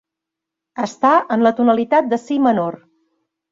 Està en la tonalitat de si menor.